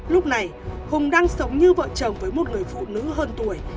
lúc này hùng đang sống như vợ chồng với một người phụ nữ hơn tuổi